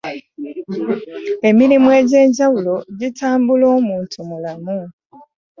Emirimu egy'enjawulo gitambula omuntu mulamu.